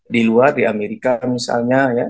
di luar di amerika misalnya ya